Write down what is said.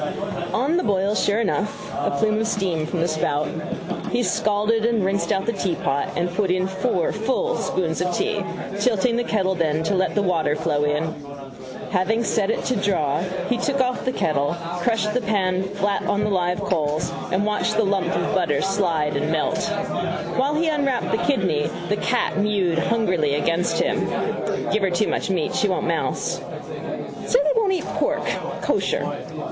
On the boil sure enough: a plume of steam from the spout. He scalded and rinsed out the teapot and put in four full spoons of tea, tilting the kettle then to let the water flow in. Having set it to draw he took off the kettle, crushed the pan flat on the live coals and watched the lump of butter slide and melt. While he unwrapped the kidney the cat mewed hungrily against him. Give her too much meat she won't mouse. Say they won't eat pork. Kosher.